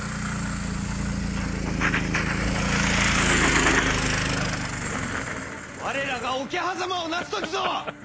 今こそ我らが桶狭間をなす時ぞ！